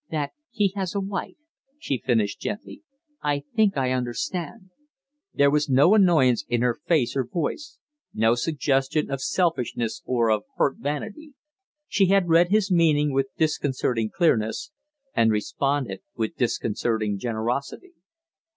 " that he has a wife," she finished, gently. "I think I understand." There was no annoyance in her face or voice, no suggestion of selfishness or of hurt vanity. She had read his meaning with disconcerting clearness, and responded with disconcerting generosity.